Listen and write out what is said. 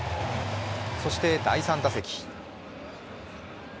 そして第３打席。